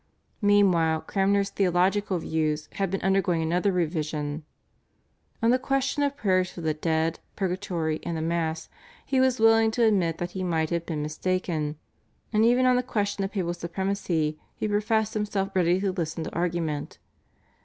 Meanwhile Cranmer's theological views had been undergoing another revision. On the question of prayers for the dead, Purgatory, and the Mass, he was willing to admit that he might have been mistaken, and even on the question of papal supremacy he professed himself ready to listen to argument.